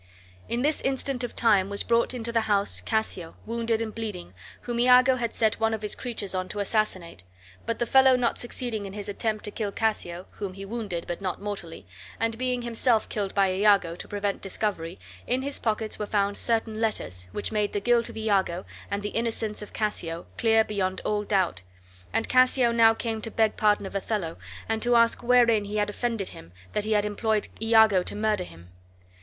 In this instant of time was brought into the house Cassio, wounded and bleeding, whom Iago had set one of his creatures on to assassinate; but the fellow not succeeding in his attempt to kill Cassio (whom he wounded, but not mortally), and being him self killed by Iago to prevent discovery, in his pockets were found certain letters, which made the guilt of Iago, and the innocence of Cassio, clear beyond all doubt; and Cassio now came to beg pardon of Othello, and to ask wherein he had offended him, that he had employed Iago to murder him.